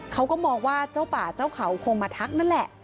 เขาก็มองว่าเจ้าป่าเจ้าเขาคงมาทักนั่นแหละ